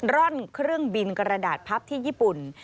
ร่อนเครื่องบินกระดาษพับที่ญี่ปุ่น